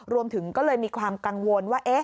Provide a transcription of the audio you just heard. รวมถึงก็เลยมีความกังวลว่า